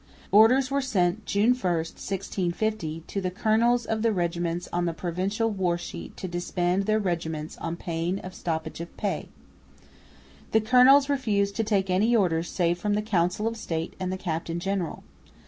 Orders were sent (June 1, 1650) to the colonels of the regiments on the Provincial war sheet to disband their regiments on pain of stoppage of pay. The colonels refused to take any orders save from the Council of State and the captain general.